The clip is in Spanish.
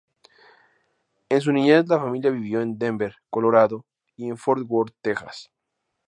En su niñez la familia vivió en Denver, Colorado, y en Fort Worth, Texas.